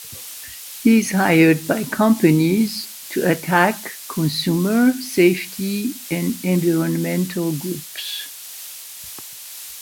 He is hired by companies to attack consumer, safety and environmental groups.